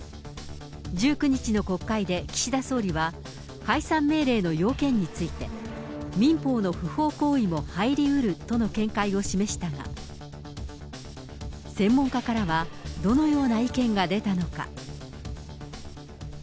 １９日の国会で岸田総理は、解散命令の要件について、民法の不法行為も入りうるとの見解を示したが、専門家からはどのような意見が出たのか。